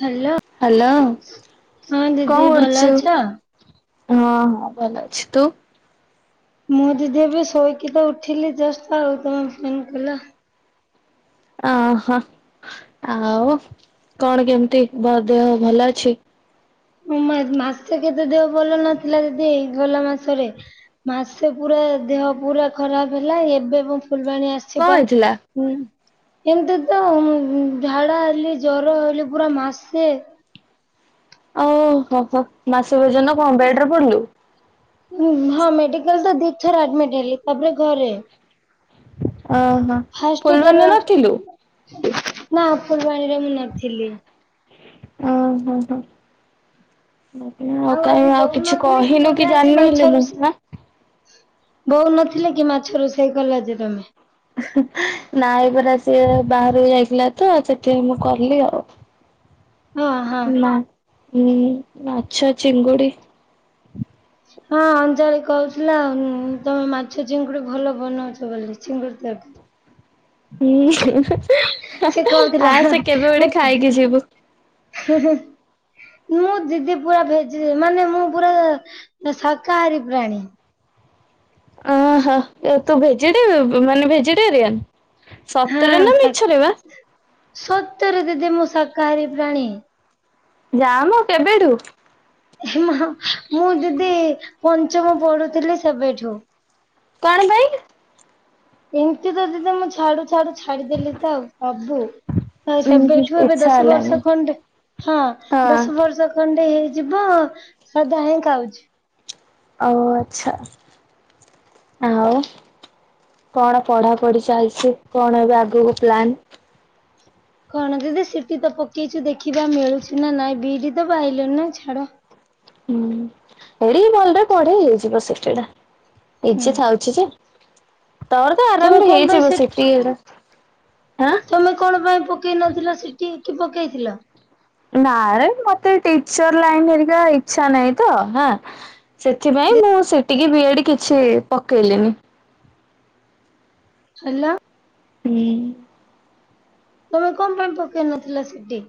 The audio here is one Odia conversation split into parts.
ହ୍ୟାଲୋ ହ୍ୟାଲୋ ହଁ କଣ ଦିଦି ଭଲ କରୁଛୁ? ଅଛ? ହଁ ହଁ ଭଲ ଅଛି ତୁ? ମୁଁ ଦିଦି ଏବେ ଶୋଇକି ତ ଉଠିଲି ଜଷ୍ଟ ଆଉ ତମେ ଫୋନ୍ କଲ। ଅହ ଆଉ କଣ କେମତି ଭ ଦେହ ଭଲ ଅଛି? ମା ମାସେ କେତେ ଦେହ ଭଲ ନଥିଲା ଦିଦି ଏଇ ଗଲା ମାସରେ। ମାସେ ପୁରା ଦେହ ପୁରା ଖରାପ୍ ହେଲା ଏବେ ମୁଁ ଫୁଲବାଣୀ ଆସଚି କଣ ବା। ହେଇଥିଲା? ହୁଁ ଏମତି ତ ମା ଝାଡା ହେଲି ଜର ହେଲି ପୁରା ମାସେ। ଅଓ ହ ହ ମାସେ ପର୍ଯ୍ୟନ୍ତ କଣ ବେଡରେ ପଡିଲୁ? ହଁ ମେଡିକାଲ୍ ତ ଦି ଥର ଆଡମିଟ୍ ହେଲି ତାପରେ ଘରେ। ଅହ। ଫାଷ୍ଟ ଥର ନା ଫୁଲବାଣୀର ମୁଁ ନଥିଲି। ଉଁ ହୁଁ ହୁଁ। [unintelligible] ଆଉ କାଇଁ ଆଜି ଆଉ ବୋଉ କିଛି ନଥିଲେ କହିଲୁ ତମେ କି ଆଜି ଜାଣିଲି ମାଛ ହେଲେ ମୁଁ ରୋଷେଇ ନା। ବୋଉ ନଥିଲା କି ମାଛ ରୋଷେଇ କଲ ଯେ ତମେ? ନାଇଁ ପରା ସିଏ ବାହାରେ ଯାଇଥିଲା ତ ସେଥିପାଇଁ ମୁଁ କହିଲିି ଆଉ। ହଁ ହଁ। ନା ଉଁ ମାଛ ଚିଙ୍ଗୁଡି। ହଁ ଅଞ୍ଜଳି କହୁଥିଲା ତମେ ମାଛ ଚିଙ୍ଗୁଡ଼ି ଭଲ ବନଉଛ ବୋଲି ଚିଙ୍ଗୁଡ଼ି ଟାକୁ। ଉଁ ସେ କହୁଥିଲା ଆସେ କେବେ ଗୋଟେ ଖାଇକି ଯିବୁ? ହେ ହେ। ମୋ ଦିଦି ପୁରା ଭେଜେ ମାନେ ମୁଁ ପୁରା ଶାକାହାରୀ ପ୍ରାଣୀ। ଓହୋ ଏ ତୁ ଭେଜିଟୁ ମାନେ ଭେଜିଟେରିୟାନ? ସତରେ ହଁ ନା ଶା ମିଛରେ ବା? ସତରେ ଦିଦି ମୁଁ ଶାକାହାରୀ ପ୍ରାଣୀ। ଯାମ କେବେଠୁ? ମୁଁ ଦିଦି ପଞ୍ଚମ ପଢୁଥିଲି ସେବେଠୁ। କଣ ପାଇଁ? ଏମତି ତ ଦିଦି ମୁଁ ଛାଡୁ ଡୁ ଛାଡୁ ଛାଡିଦେଲି ତ ଆଉ ସବୁ। ହଁ ଉୁଁ ହୁଁ ସେବେଠୁ ଏବେ ଇଚ୍ଛା ଦଶ ହେଲାନି ବର୍ଷ ଖଣ୍ଡେ ହଁ ହଁ ଦଶ ବର୍ଷ। ଖଣ୍ଡେ ହେଇଯିବ ସାଧା ହିଁ ଖାଉଛି। ଆଉ ଆଚ୍ଛା ଆଉ। କଣ ପଢା ପଢି ଚାଲଛି କଣ ଏବେ ଆଗୁକୁ ପ୍ଳାନ୍? କଣ ଦିଦି ସିଟି ତ ପକେଇଛୁ ଦେଖିବା ମିଳୁଛି ନା ନାଇଁ ବିଡି ତ ପାଇଲୁନୁ ଛାଡ। ହୁଁ ଏଡି ଭଲରେ ପଢେ ହେଇଯିବ ସିଟି ଟା ହୁଁ ଏଜେ ଥାଉଛି ଯେ। ତର ତ ତମେ ଆରାମରେ କଣ ପାଇଁ ହେଇଛଯିବ ସେ ସିଟି ଏରା। ହାଁ। ତମେ କଣ ପାଇଁ ପକେଇ ନଥିଲ ସେଠି କି ପକେଇଥିଲ? ନାରେ ମତେ ଟିଚର୍ ଲାଇନ୍ ହେରିକା ଇଛା ନାହିଁ ତ ହା। ସେଥିପାଇଁ ମୁଁ ସିଟି କି ବି ଏଡ କିଛି ପକେଇଲିନି। ହାଲୋ। ହୁଁ। ତମେ କଣ ପାଇଁ ପକେଇ ନଥିଲ ସିଟି?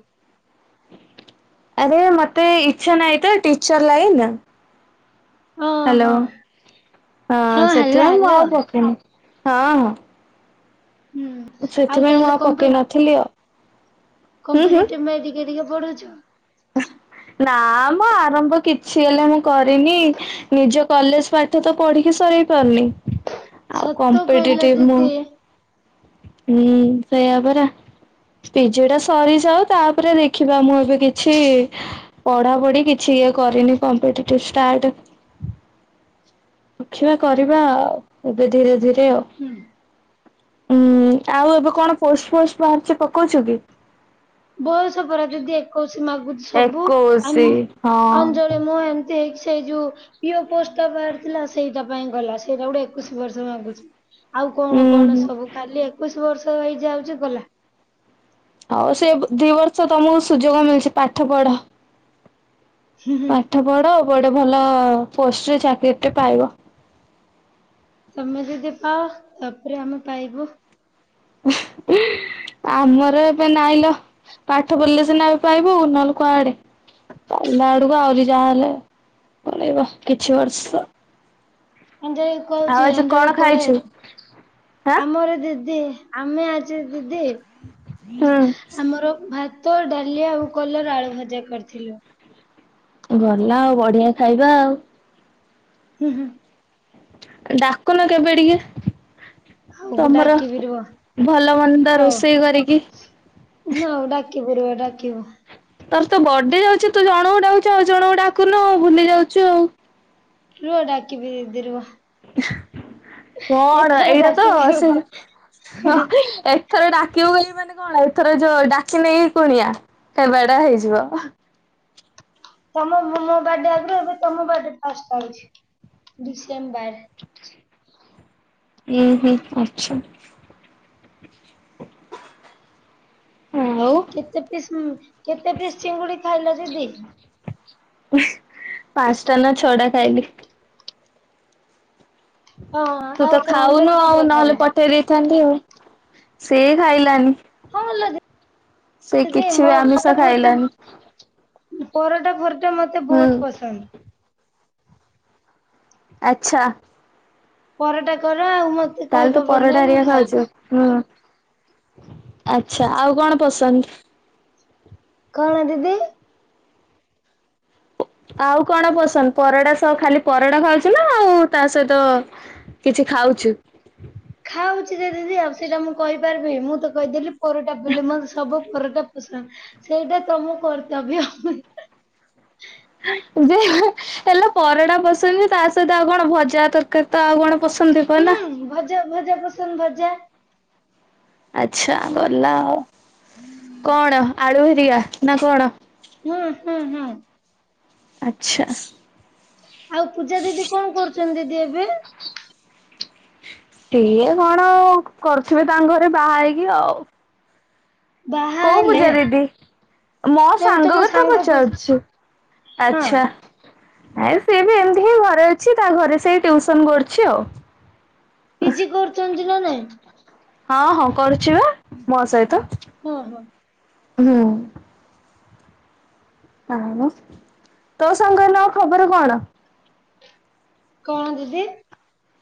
ଆରେ ମତେ ଇଚ୍ଛା ନହିଁ ତ ଟିଚର୍ ଲାଇନ୍। ହଁ ହାଲୋ ହଁ ଆ ହଁ ହାଲୋ ସେଥିପାଇଁ ମୁଁ ହାଲୋ ଆଉ ପକେଇନି ହଁ ହଁ। ହୁଁ। ସେଥିପାଇଁ ମୁଁ ତାହେଲେ ଆଉ କମ୍ପି ପକେଇନଥିଲି ଆଉ। ହୁଁ ହୁଁ। କମ୍ପିଟେଟିଭ ପାଇଁ ଟିକେ ଟିକେ ପଢୁଛ? ନା ମଁ ଆରମ୍ଭ କିଛି ହେଲେ ମୁଁ କରିନି ନିଜ କଲେଜ ପା ଠ ତ ପଢିକି ସରେଇ ପାରୁନି ଆଉ ସତ କହିଲ କମ୍ପିଟେଟିଭ ମୁଁ। ଦିଦି ହୁଁ ସେଇଆ ପରା। ପିଜୁ ଟା ସରିଯାଉ ତାପରେ ଦେଖିବା ମୁଁ ଏବେ କି କିଛି ପଢାପଢି କିଛି ଇଏ କରିନି କମ୍ପିଟେଟିପ୍ ଷ୍ଟାଟ୍। ରଖିବା କରିବା ଏବେ ଧୀରେ ଧୀରେ ଆଉ। ହୁଁ। ଉୁଁ ଆଉ ଏବେ କଣ ପୋଷ୍ଟ ଫୋଷ୍ଟ ବାହାରୁଛି ପକଉଚ କି? ବୟସ ପରା ଦିଦି ଏକୋଇଶି ମାଗୁଛି ସବୁ ଏକୋଇଶି [unintelligible] ହଁ ଅଞ୍ଜଳି [unintelligible] ସେ ଯୋଉ ପିଓ ପୋଷ୍ଟଟା ବାହାରିଥିଲା ସେଇଟା ପାଇଁ ଗଲା ସେଇଟା ଗୋଟେ ଏକୋଇଶି ବର୍ଷ ମାଗୁଚି। ଆଉ କଣ ଉୁଁ କଣ ହୁଁ। ସବୁ କାଲି ଏକୋଇଶି ବର୍ଷ ହେଇଯାଉଛି ଗଲା। ହଉ ସେ ଦିଇ ବର୍ଷ ତମକୁ ସୁଯୋଗ ମିଳଛି ପାଠ ପଢ। ହୁଁ। ପାଠ ପଢ଼ ଗୋଟେ ଭଲ ପୋଷ୍ଟରେ ଚାକିରି ଟେ ପାଇବ। ତମେ ଯଦି ପାଅ ତାପରେ ଆମେ ପାଇବୁ। [unintelligible] ଆମର ଏବେ ନାଇଁ ଲୋ ପାଠ ପଢ଼ିଲେ ସିନା ଏବେ ପାଇବୁ ନହେଲେ କୁଆଡେ। ତମ ଆଡକୁ ଆହୁରି ଯାହାହେଲେ ବନେ [unintelligible] କିଛି ବର୍ଷ ଅଞ୍ଜଳି ଆଉ କୁହାଯାଉଚି ଆଜି ଅଞ୍ଜଳି କଣ ପଢେ ଖାଇଛୁ ଆଁ ଆମର ଦିଦି ଆମେ ଆଜି ଦିଦି ହୁଁ। ଆମର ଭା ତ ଡାଲି ଆଉ କଲରା ଆଳୁ ଭଜା କରିଥିଲୁ। ଗଲା ଆଉ ବଢିଆ ଖାଇବା ଆଉ। ହୁଁ ହୁଁ। ଡାକୁନ କେବେ ଟିକେ। ଆଉ ତମର, ଡାକିବି ରୁହ ଭଲ ମନ୍ଦ ରୋଷେଇ କରିକି। ନା ଆଉ ଡାକିବୁ [unintelligible] ଡାକିବୁ। ତୋର ତ ବଡି ଯାଉଛି ତୁ ଜଣଙ୍କୁ ଡାକୁଚୁ ଆଉ ଜଣଙ୍କୁ ଡାକୁନୁ ଭୁଲି ଯାଉଚୁ ଆଉ। ରୁହ ଡାକିବି ଦିଦି ରୁହ। କଣ ଏଥର ଏଇଟା ତ ଡାକିବି ସେ ରୁହ। ଏଥର ଡାକିବୁ ବୋଲି ମାନେ କଣ ଏଥର ଯୋଉ ଡାକି ନେଇକି କୁଣିଆ [unintelligible] ହେଇଯିବ। ତମ ମୋ ବାଡେ ଆଗରୁ ଏବେ ତମ ବାଡେ ଟା ଫାଷ୍ଟ ଆସୁଛି ଡିସେମ୍ବର। ହୁଁ ହୁଁ ଆଚ୍ଛା। ହୁଁ ଆଉ। କେତେ ପିସ୍ କେତେ ପିସ୍ ଚିଙ୍ଗୁଡି ଖାଇଲ ଦିଦି? ପାଞ୍ଚଟା ନା ଛଅ ଟା ଖାଇଲି। ହଁ ତୁ ତ ଆଉ ସେ ଖାଉନୁ ଅଞ୍ଜଳି ଆଉ କେତେଟା ନହେଲେ ଖାଇଲା? ପଠ ଠେଇ ଦେଇଥାନ୍ତି ଆଉ ସେ ଖାଇଲାନି। ହଁ ଲୋ ସେ ଦିଦି କିଛି ମୋ ବି ପରଟା ଆମିଷ ଫରଟା ଖାଇଲାଣିି। ପରଟା ଫରଟା ମତେ ହୁଁ ବହୁତ ପସନ୍ଦ। ଆଚ୍ଛା। ପରଟା କର ଆଉ ମ ତାହେଲେ ତୁ ପରଟା ହେରିକା ଖାଉଛୁ ହୁଁ ଆଚ୍ଛା ଆଉ କଣ ପସନ୍ଦ? କଣ ଦିଦି? ଆଉ କଣ ପସନ୍ଦ ପରଟା ସହ ଖାଲି ପରଟା ଖାଉଛି ନା ଆଉ ତା ସହିତ କିଛି ଖାଉଛୁ। ଖାଉଛି ଯେ ଦିଦି ଆଉ ସେଇଟା ମୁଁ କହିପାରିବିନି ମୁଁ ତ କହିଦେଲି ପରଟା ବୁଲେ ମତେ ସବୁ ପରଟା ପସନ୍ଦ ସେଇଟା ତମ କର୍ତ୍ତବ୍ୟ। ଯେ ହେଲେ ପରଟା ପସନ୍ଦ ଯେ ତା ସହିତ ଆଉ କଣ ଭଜା, ତରକାରୀ ତ ଆଉ କଣ ପସନ୍ଦ ଥିବ ନା? ହୁଁ ଭଜା ଭଜା ପସନ୍ଦ ଭଜା। ଆଚ୍ଛା ଗଲା-ଆ-ଆ କଣ ଆଳୁ ହେରିକା ନା କଣ? ହୁଁ ହୁଁ ହୁଁ। ଆଚ୍ଛା। ଆଉ ପୂଜା ଦିଦି କଣ କରୁଛନ୍ତି ଦିଦି ଏବେ? ସିଏ କଣ-ଅ-ଅ କରୁଥିବେ ତାଙ୍କ ଘରେ ବାହା ହେଇକି ଆଉ। ବାହା କୋଉ ହେଲେ ପୂଜା ଦିଦି ମୋ ଏବେ ତମ ସାଙ୍ଗ କଥା ପୁ ପଚାରୁଛୁ? ହଁ ଆଛା। ହେ ସିଏ ବି ଏମିତି ହି ଘରେ ଅଛି ତା ଘରେ ସେଇ ଟିଉସନ କରୁଛି ଆଉ। ପି ଜି କରୁଛନ୍ତି ନା ନାଇଁ? ହଁ ହଁ କରୁଛି ବା ମୋ ସହିତ। ହଁ ହଁ। ହୁଁ। [unintelligible] ତୋ ସାଙ୍ଗ ନ ଖବର କଣ? କଣ ଦିଦି?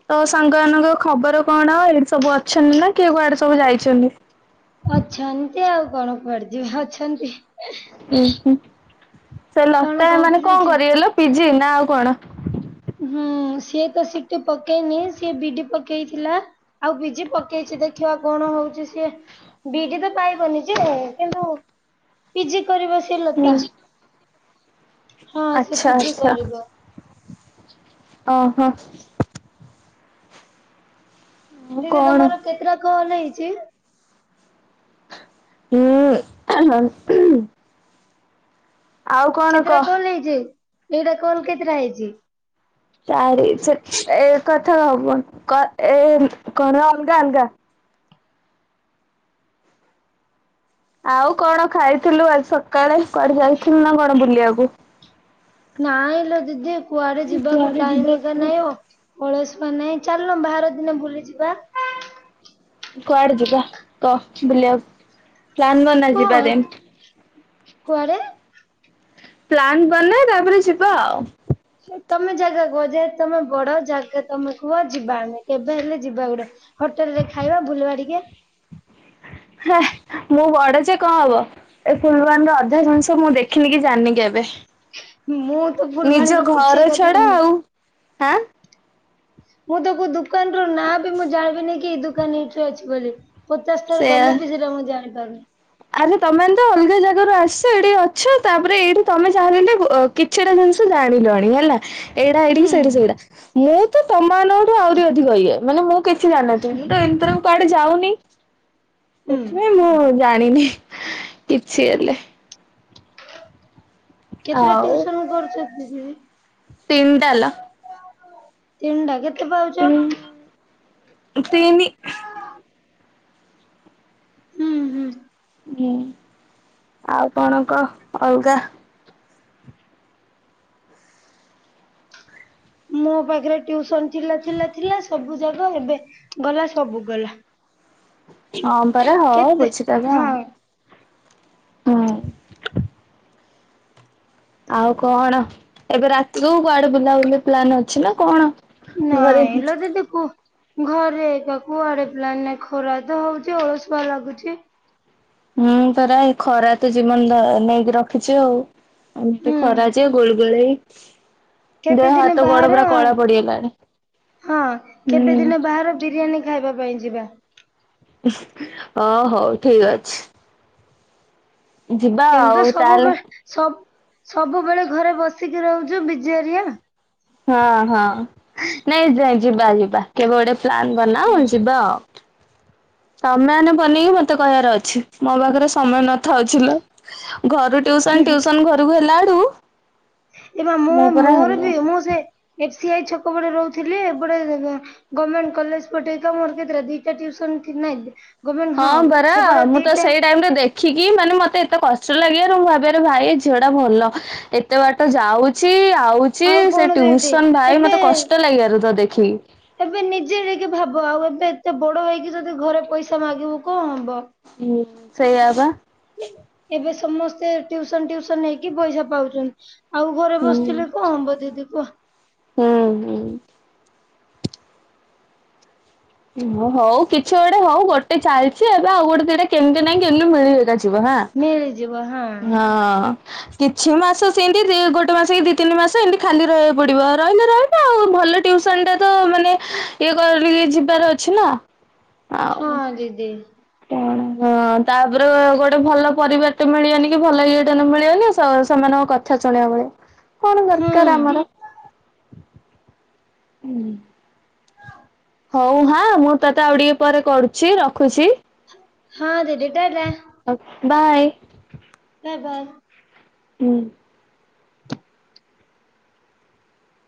ତୋ ସାଙ୍ଗମାନଙ୍କ ଖବର କଣ ଏଇଠି ସବୁ ଅଛନ୍ତି ନା କିଏ କୁଆଡେ ସବୁ ଯାଇଛନ୍ତି? ଅଛନ୍ତି ଆଉ କଣ କୁଆଡେ ଯିବେ ଅଛନ୍ତି। ଉ ହୁଁ ସେ କଣ ଲତା ମାନେ କହୁଥିଲେ କଣ ଯେ କରିବେ ଲୋ ପି ଜି ନା ଆଉ କଣ? ହୁଁ ସିଏ ତ ସି ଟି ପକେଇନି ସିଏ ବି ଡି ପକେଇଥିଲା। ଆଉ ପି ଜି ପକେଇଛି ଦେଖିବା କଣ ହଉଛି ସିଏ। ବିଇଜି ତ ପାଇବନି ଯେ-ଏ-ଏ-ଏ କିନ୍ତୁ ପି ଜି କରିବ ସେ ଯେ ହୁଁ ଲୋପା ହଁ ସେ ଆଚ୍ଛା ପି ଜି ଆଚ୍ଛା କରିବ। ଓହୋ। ଆଉ ଦିଦି କଣ? ତମର କେତେଟା କଲ୍ ହେଇଛି? ହୁଁ। ଆଉ କଣ କେତେଟା କହ? କଲ ହେଇଛି ଏଇଟା କଲ କେତେଟା ହେଇଛି? ଚାରି ସେ ଏ କଥା ହବୁନ କ ଏ କଣ ଅଲଗା ଅଲଗା। ଆଉ କଣ ଖାଇଥିଲୁ ଆଜି ସକାଳେ କୁଆଡେ ଯାଇଥିଲୁ ନା କଣ ବୁଲିବାକୁ। ନାଇଁ ଲୋ ଦିଦି କୁଆଡେ ଯିବାକୁ କୁଆଡେ ଟାଇମ ଏକା ଯିବାକୁ ନାହିଁ ଅ ଅଳସୁଆ ନାଇଁ ଚାଲୁନ ବାହାର ଦିନେ ବୁଲି ଯିବା? କୁଆଡେ ଯିବା କହ ବୁଲିବାକୁ ପ୍ଲାନ ବନା କୁହ ଯିବା ଦେନ୍? କୁଆଡେ ପ୍ଲାନ୍ ବନା ତାପରେ ଯିବା ଆଉ। ତମେ ଜାଗା କୁହ ଯେହେତୁ ତମେ ବଡ ଜାଗା ତମେ କୁହ ଯିବା ଆମେ କେବେ ହେଲେ ଯିବା ଗୋଡେ। ହୋଟେଲ ରେ ଖାଇବା ବୁଲିବା ଟିକେ। ହେ ମୁଁ ବଡ ଯେ କଣ ହବ? ଏ ଫୁଲବାନି ର ଅଧା ଜିନିଷ ମୁଁ ଦେଖିନି କି ଜାଣିନି କେବେ। ମୁଁ ତ ନିଜ ଫୁଲବାଣୀର କିଛି ଘର ଏକା ଛଡା ଜାଣିନି ଆଉ ହାଁ ମୁଁ ତ କୋଉ ଦୁକାନ ର ନାଁ ବି ମୁଁ ଜାଣିବିନି କି ଇଏ ଦୋକାନରେ ଏଇଠି ଅଛି ବୋଲି। ପଚାଶ ଥର ଗଲେ ସେୟା ବି ସେଇଟା ମୁଁ ଜାଣିପାରୁନି। ଆରେ ତମେମାନେ ତ ଅଲଗା ଜାଗା ରୁ ଆସିଛ ଏଇଠି ଅଛ ତାପରେ ଏଇଠି ତମେ ଚାହିଁଲେ ଅ କିଛିଟା ଜିନିଷ ଜାଣିଲଣି ହେଲା। ଏଇଟା ଏଇଠିକି ହୁଁ ସେଇଠି ସେଇଟା ମୁଁ ତମମାନଙ୍କଠୁ ଆହୁରି ଅଧିକ ଇଏ ମାନେ ମୁଁ କିଛି ଜାଣିନଥିଲି ମୁଁ ତ ଏମିତିରେ କୁଆଡେ ଯାଉନି ହୁଁ ସେଥିପାଇଁ ମୁଁ-ଉ-ଉ-ଉ ଜା ଯାଣିନି କିଛି ହେଲେ କେତଟା ଆଉ ଟିଉସନ କରୁଚ ଦିଦି? ତିନି ଟାଲ। ତିନିଟା କେତେ ପାଉଚ? ତିନି। ହୁଁ ହୁଁ। ହୁଁ ଆଉ କଣ କହ ଅଲଗା? ମୋ ପାଖରେ ଟ୍ୟୁସନ ଥିଲା ଥିଲା ଥିଲା ସବୁ ଯାଗ ଏବେ ଗଲା ସବୁ ଗଲା। ହଁ ପରା ହଁ କେତେ ବୁଝିଦବା ଆଉ। ହଁ ହୁଁ। ଆଉ କଣ ଏବେ ରାତିକୁ କୁଆଡେ ବୁଲାବୁଲି ପ୍ଲାନ ଅଛି ନା କଣ? ଘରେ ନାଇଁ ହିଁ। ଲୋ ଦିଦି କୁ ଘରେ ଏକା କୁଆଡେ ପ୍ଲାନ ନାଇଁ ଖରା ତ ହଉଚି ଅଳସୁଆ ଲାଗୁଚି ହୁଁ ପରା ଏ ଖରା ତ ଜୀବନ ଧ ନେଇକି ରଖିଚି ଆଉ। ଏମିତି ହୁଁ ଖରା ଯେ ଗୁଳୁଗୁଳେଇ କେବେ ଦିନେ ବାହାର କଳା ପଡିଗଲାଣି। ହଁ କେବେ ହୁଁ ଦିନେ ବାହାର ବିରିୟାନୀ ଖାଇବା ପାଇଁ ଯିବା। ଓ ହଉ ଠିକ୍ ଅଛି। ଯିବା କିନ୍ତୁ ଆଉ ତାହେଲେ ସବୁବେ ସ ସବୁବେଳେ ଘରେ ବସିକି ରହୁଚୁ ବିଜାରିଆ ହଁ ହଁ ନାଇଁ ଯା ଯିବା ଯିବା କେବେ ଗୋଟେ ପ୍ଲାନ୍ ହୁଁ। ବନାଅ ଯିବା ଆଉ। ତମେମାନେ ବନେଇକି ମତେ କହିବାର ଅଛି ମୋ ପାଖରେ ସମୟ ନଥ ଅଛି ଲ ଘରୁ ଟ୍ୟୁସନ ଟ୍ୟୁସନ ଘରକୁ ହେଲାଉଳୁ ଏ ପା ମୋ ମୋର ବି ମୁଁ ସେ ଏସି ଆଇ ଛକ ପଟେ ରହୁଥିଲି ଏପଟେ ଗର୍ମେଣ୍ଟ କଲେଜ ପଟେ ତ ମୋର କେତେଟା ଦିଇଟା ଟ୍ୟୁସନ୍ ନା କି ହଁ ପରା ମୁଁ ତ ସେଇ ଟାଇମ୍ ରେ ଦେ ଖିକି ମାନେ ମତେ ଏତେ କଷ୍ଟ ଲାଗିବାରୁ ମୁଁ ଭାବେ ଆରେ ଭାଇ ଏ ଝିଅ ଟା ଭଲ ଏତେ ବାଟ ତ ଯାଉଚି ଆଉଚି ଆଉ ସେ କଣ ଦିଦି ଟ୍ୟୁସନ ଭାଇ ମତେ ଏବେ କଷ୍ଟ ଲାଗେବାର ତ ଦେଖିକି ଏବେ ନିଜେ ଟିକେ ଭାବ ଆଉ ଏବେ ଏତେ ବଡ଼ ହେଇକି ଯଦି ଘରେ ପଇସା ମାଗିବୁ କଁ ହବ? ହୁଁ ସେଇଆ ବା। ଏବେ ସମସ୍ତେ ଟ୍ୟୁସନ ଟ୍ୟୁସନ ନେଇକି ପଇସା ପାଉଚନ୍ତି। ଆଉ ଘରେ ହୁଁ ବସିଥିଲେ କଁ ହବ ଦିଦି କୁହ? ହୁଁ ହୁଁ। ଓ ହଉ କିଛି ଗୋଟେ ହଉ ଗୋଟେ ଚାଲିଚି ଏବେ ଆଉ ଗୋଟେ ଦିଇଟା କେମିତି ନାଇଁ କେମିତି ମିଳିବେ ଥିବ ହାଁ ମିଳିଯିବ ହଁ ହଁ କିଛି ମାସ ସେମିତି ଦି ଗୋଟେ ମାସ କି ଦି ତିନି ମାସ ଏମିତି ଖାଲି ରହିବାକୁ ପଡ଼ିବ ରହିଲେ ରହି ଆଉ ଭଲ ଟ୍ୟୁସନଟେ ତ ମାନେ ଇଏ କରିକି ଯିବାର ଅଛି ନା। ହଁ ଆଉ ଦିଦି। କଣ ଗ ହଁ ତାପରେ ଗୋଟେ ଭଲ ପରିବାର ଟେ ମିଳିବନି କି ଭଲ ଇଏ ଟାନ ମିଳିବନି ସେ ସେମାନଙ୍କ କ ଥା ଶୁଣିବ ପୁଣି କଣ ହୁଁ ଦରକାର ଆମର? ହୁଁ। ହଉ ହାଁ ମୁଁ ତତେ ଆଉ ଟିକେ ପରେ କରୁଚି ରଖୁଚି? ହଁ ଦିଦି‌ ଟା ଟା। ଅ ବାଏ। Bye bye. ହୁଁ।